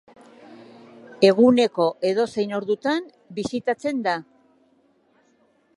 Eguneko edozein ordutan bisitatzen da.